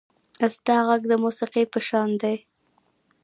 • ستا غږ د موسیقۍ په شان دی.